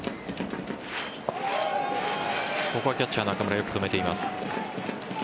ここはキャッチャー・中村よく止めています。